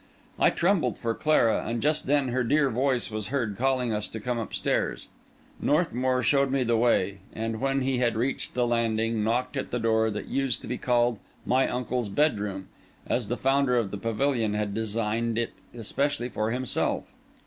I trembled for Clara; and just then her dear voice was heard calling us to come upstairs. Northmour showed me the way, and, when he had reached the landing, knocked at the door of what used to be called My Uncle's Bedroom, as the founder of the pavilion had designed it especially for himself.